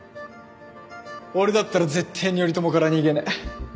俺だったら絶対に頼朝から逃げねえ。